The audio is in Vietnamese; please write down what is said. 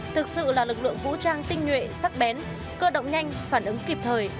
thực sự là lực lượng vũ trang tinh nhuệ sắc bén cơ động nhanh phản ứng kịp thời